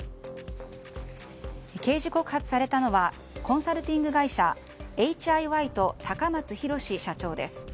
刑事告発されたのはコンサルティング会社エイチ・アイ・ワイと高松洋社長です。